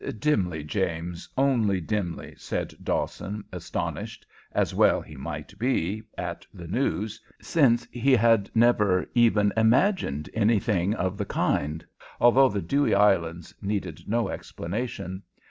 "Dimly, James, only dimly," said Dawson, astonished, as well he might be, at the news, since he had never even imagined anything of the kind, although the Dewey Islands needed no explanation.